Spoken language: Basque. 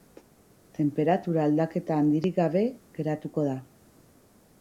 Tenperatura aldaketa handirik gabe geratuko da.